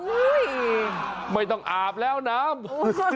ไม่ต้องอาบแล้วน้ำ